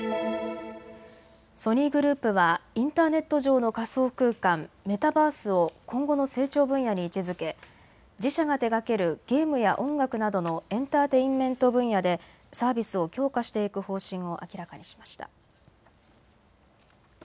ソニーグループはインターネット上の仮想空間、メタバースを今後の成長分野に位置づけ自社が手がけるゲームや音楽などのエンターテインメント分野でサービスを強化していく方針を明らかにしました。